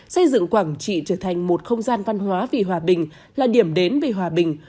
xây dựng quảng trị trở thành một không gian văn hóa vì hòa bình là điểm đến về hòa bình